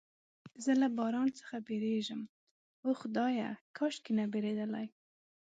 زه له باران څخه بیریږم، اوه خدایه، کاشکې نه بیریدلای.